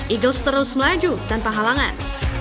eagles terus melaju tanpa halangan